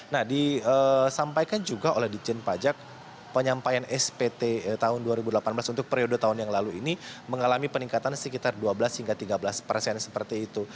nah disampaikan juga oleh dijen pajak penyampaian spt tahun dua ribu delapan belas untuk periode tahun yang lalu ini mengalami peningkatan sekitar dua belas hingga tiga belas persen seperti itu